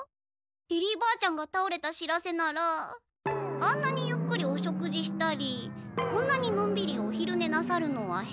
リリーばあちゃんがたおれた知らせならあんなにゆっくりお食事したりこんなにのんびりおひるねなさるのは変。